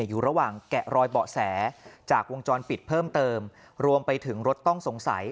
อยู่ระหว่างแกะรอยเบาะแสจากวงจรปิดเพิ่มเติมรวมไปถึงรถต้องสงสัย